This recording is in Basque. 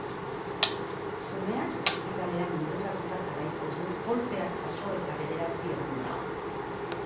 Umeak ospitalean ingresatuta jarraitzen du kolpeak jaso eta bederatzi egunera.